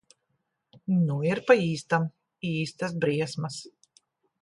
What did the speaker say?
Nu ir pa īstam. Īstas briesmas.